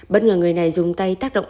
bất ngờ người này dùng tay tác động